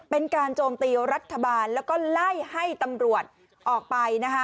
เป็นการโจมตีรัฐบาลแล้วก็ไล่ให้ตำรวจออกไป